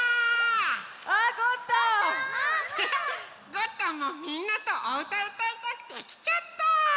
ゴットンもみんなとおうたうたいたくてきちゃった！